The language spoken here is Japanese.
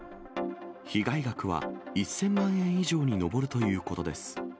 被害額は１０００万円以上に上るということです。